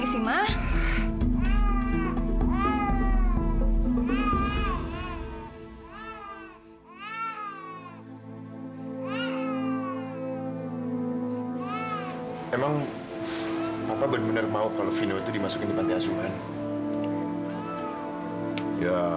sampai jumpa di video selanjutnya